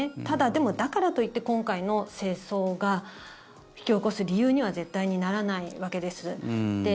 ただ、でもだからといって今回の戦争を引き起こす理由には絶対にならないわけです。